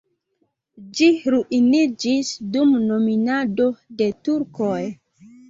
Ĝi ruiniĝis dum dominado de turkoj.